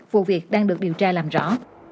vụ việc đang được điều tra làm rõ